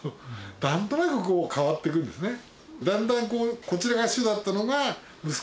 何となくこう代わって行くんですね。